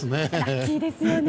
ラッキーですよね。